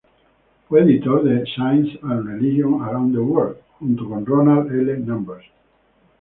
Fue editor de "Science and Religion Around the World" junto con Ronald L. Numbers.